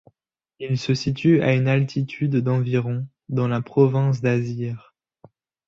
Il se situe à une altitude d'environ dans la province d'Asir.